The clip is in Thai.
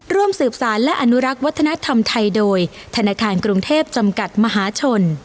ร่วมสืบสารและอนุรักษ์วัฒนธรรมไทยโดยธนาคารกรุงเทพจำกัดมหาชน